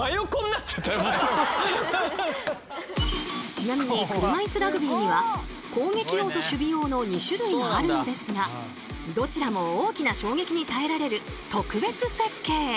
ちなみに車いすラグビーには攻撃用と守備用の２種類があるんですがどちらも大きな衝撃に耐えられる特別設計。